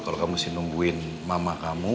kalau kamu masih nungguin mama kamu